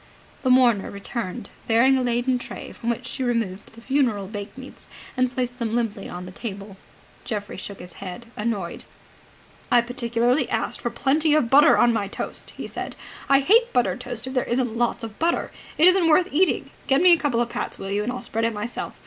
The mourner returned, bearing a laden tray, from which she removed the funeral bakemeats and placed them limply on the table. Geoffrey shook his head, annoyed. "I particularly asked for plenty of butter on my toast!" he said. "I hate buttered toast if there isn't lots of butter. It isn't worth eating. Get me a couple of pats, will you, and I'll spread it myself.